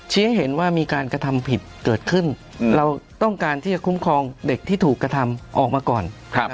ให้เห็นว่ามีการกระทำผิดเกิดขึ้นเราต้องการที่จะคุ้มครองเด็กที่ถูกกระทำออกมาก่อน